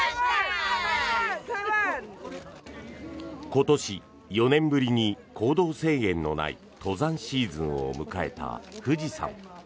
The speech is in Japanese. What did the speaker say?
今年、４年ぶりに行動制限のない登山シーズンを迎えた富士山。